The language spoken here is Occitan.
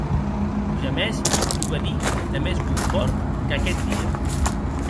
Jamès lo vedí de mès bonpòrt qu’aqueth dia.